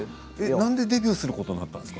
なんでデビューすることになったんですか？